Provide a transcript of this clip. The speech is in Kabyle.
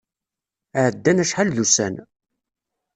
Ɛeddan acḥal d ussan.